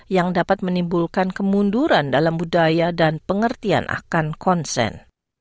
yang dapat menimbulkan kemunduran dalam budaya dan pengertian akan konsen